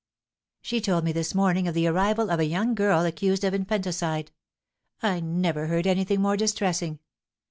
She told me this morning of the arrival of a young girl accused of infanticide. I never heard anything more distressing.